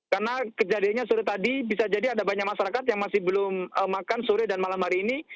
karena kejadiannya sore tadi bisa jadi ada banyak masyarakat yang masih belum makan sore dan malam hari ini